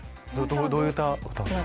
どういう歌歌うんですか？